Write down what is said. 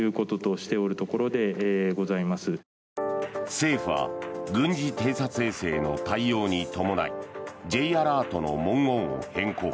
政府は軍事偵察衛星の対応に伴いＪアラートの文言を変更。